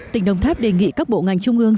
tỉnh đồng tháp đề nghị các bộ ngành trung ương